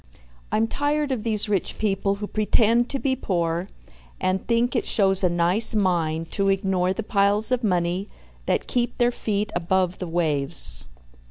I'm tired of these rich people who pretend to be poor, and think it shows a nice mind to ignore the piles of money that keep their feet above the waves.